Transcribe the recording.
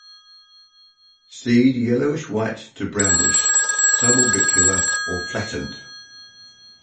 Seed yellowish white to brownish, suborbicular or flattened.